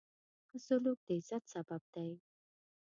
ښه سلوک د عزت سبب دی.